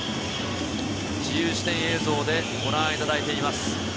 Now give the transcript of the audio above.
自由視点映像でご覧いただいています。